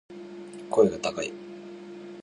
声が高い